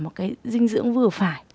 một cái dinh dưỡng vừa phải